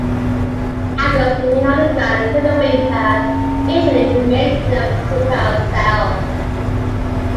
Adults remain underground through the winter, initially remaining in their pupal cell.